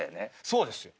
そうですよ。